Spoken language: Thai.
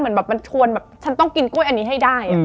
เหมือนแบบมันชวนแบบฉันต้องกินกล้วยอันนี้ให้ได้